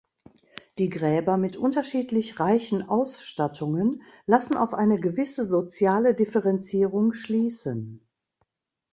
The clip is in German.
Die Gräber mit unterschiedlich reichen Ausstattungen lassen auf eine gewisse soziale Differenzierung schließen.